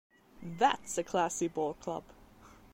That's a classy ballclub.